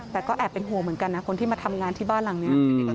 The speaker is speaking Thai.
แต่ก็แอบเป็นห่วงเหมือนกันนะคนที่มาทำงานที่บ้านหลังนี้